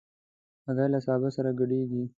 هګۍ له سابه سره ګډېږي.